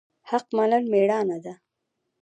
حق منل میړانه ده